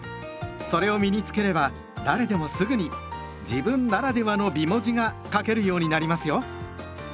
それを身に付ければ誰でもすぐに「自分ならではの美文字」が書けるようになりますよ。